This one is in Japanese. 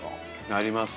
あります。